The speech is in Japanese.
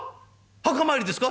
墓参りですか？」。